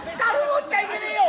樽持っちゃいけねえよ。